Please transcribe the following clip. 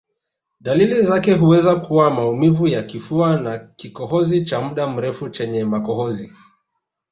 Dalili zake huweza kuwa maumivu ya kifua na kikohozi cha muda mrefu chenye makohozi